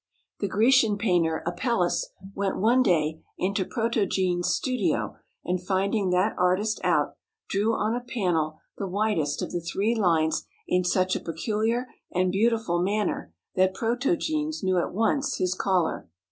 The Grecian painter Apelles went one day into Protogenes's studio, and finding that artist out, drew on a panel the widest of the three lines in such a peculiar and beautiful manner that Protogenes knew at once his caller.